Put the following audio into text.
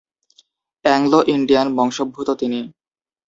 Anglo-Indian বংশোদ্ভূত তিনি।